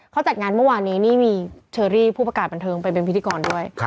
เขาจัดงานเมื่อวานนี้นี่มีเชอรี่ผู้ประกาศบันเทิงไปเป็นพิธีกรด้วย